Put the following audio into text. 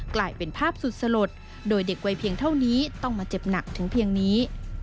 กลายเป็นภาพสุดสลดโดยเด็กวัยเพียงเท่านี้ต้องมาเจ็บหนักถึงเพียงนี้